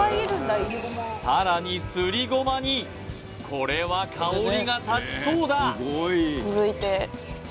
さらにすりごまにこれは香りが立ちそうだ